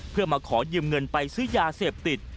เพื่อมาขอยืมเงินไปซื้อยาเสพติด